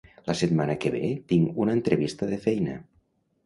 La setmana que ve tinc una entrevista de feina.